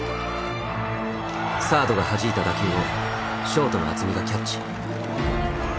サードがはじいた打球をショートの渥美がキャッチ。